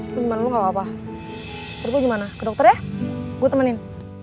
gimana lu apa apa gimana dokter ya gue temenin